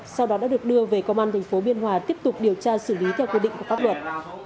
sau đó đã được đưa về công an tp biên hòa tiếp tục điều tra xử lý theo quy định của pháp luật